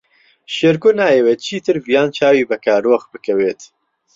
شێرکۆ نایەوێت چیتر ڤیان چاوی بە کارۆخ بکەوێت.